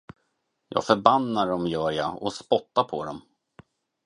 Jag förbannar dem, gör jag, och jag spottar på dem.